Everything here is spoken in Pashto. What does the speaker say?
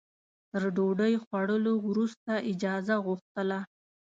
تر ډوډۍ خوړلو وروسته اجازه غوښتله.